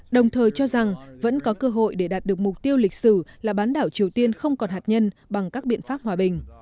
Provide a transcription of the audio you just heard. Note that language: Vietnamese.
đồng thời cho rằng vẫn có cơ hội để đạt được mục tiêu lịch sử là bán đảo triều tiên không còn hạt nhân bằng các biện pháp hòa bình